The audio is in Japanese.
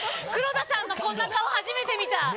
黒田さんのこんな顔初めて見た。